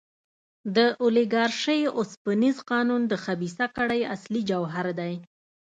د اولیګارشۍ اوسپنیز قانون د خبیثه کړۍ اصلي جوهر دی.